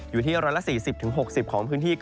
อยู่ที่ร้อยละ๔๐๖๐ของพื้นที่